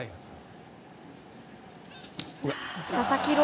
佐々木朗